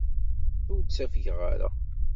Ur ttafgeɣ ara.